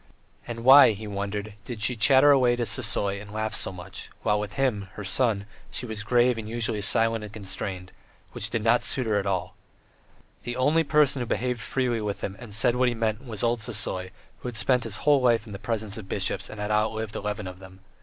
And why, he wondered, did she chatter away to Sisoy and laugh so much; while with him, her son, she was grave and usually silent and constrained, which did not suit her at all. The only person who behaved freely with him and said what he meant was old Sisoy, who had spent his whole life in the presence of bishops and had outlived eleven of them.